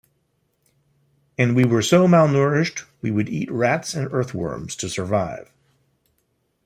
And we were so malnourished, we would eat rats and earthworms to survive.